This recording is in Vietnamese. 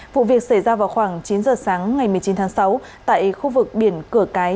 vụ việc xảy ra vào khoảng chín giờ sáng ngày một mươi chín tháng sáu tại khu vực biển cửa cái